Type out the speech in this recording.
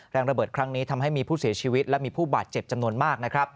ระเบิดครั้งนี้ทำให้มีผู้เสียชีวิตและมีผู้บาดเจ็บจำนวนมาก